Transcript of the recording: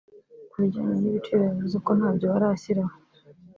Ku bijyanye n’ibiciro yavuze ko ntabyo barashyiraho